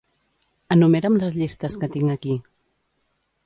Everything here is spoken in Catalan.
Enumera'm les llistes que tinc aquí.